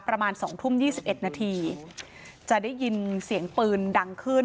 ประมาณ๒ทุ่ม๒๑นาทีจะได้ยินเสียงปืนดังขึ้น